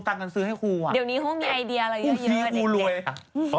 ลองนั่งลบมิถีก